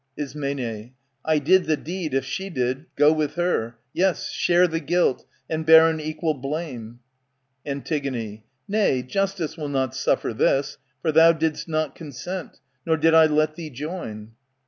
*Ism. I did the deedy^jf^e did^ go with her, Yes, share the guilt, and bear an equal blame. Antig, Nay, justice will not suffer this, for thou Did*st not consent, nor did I let thee join.